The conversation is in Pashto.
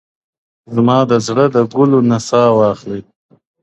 زما د زړه گلونه ساه واخلي.